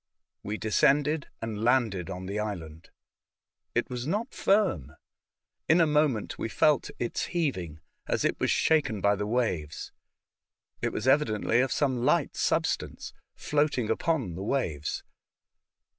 We descended and landed on the island. It was not firm. In a moment we felt its heaving as it was shaken by the waves. It was evidently of some light substance, floating upon the waves.